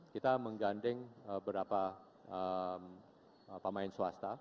kita menggandeng beberapa pemain swasta